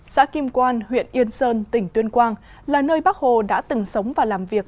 xã kim quan huyện yên sơn tỉnh tuyên quang là nơi bác hồ đã từng sống và làm việc